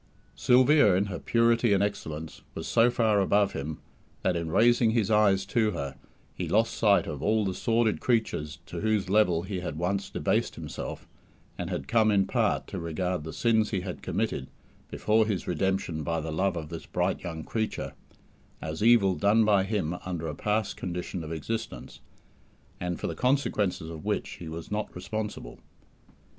Sylvia, in her purity and excellence, was so far above him, that in raising his eyes to her, he lost sight of all the sordid creatures to whose level he had once debased himself, and had come in part to regard the sins he had committed, before his redemption by the love of this bright young creature, as evil done by him under a past condition of existence, and for the consequences of which he was not responsible.